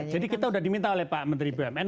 jadi kita sudah diminta oleh pak menteri bumn